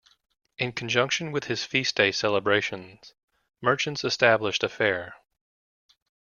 In conjunction with his feast day celebrations, merchants established a fair.